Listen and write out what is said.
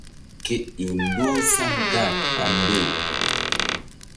Ye ƴo ndoh sam gar ɓa mbew.